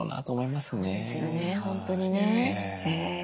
本当にね。